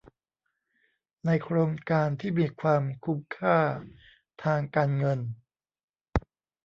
ในโครงการที่มีความคุ้มค่าทางการเงิน